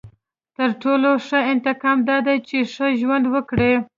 • تر ټولو ښه انتقام دا دی چې ښه ژوند وکړې.